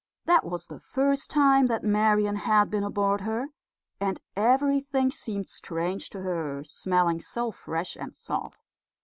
That was the first time that Marian had been aboard her, and everything seemed strange to her, smelling so fresh and salt.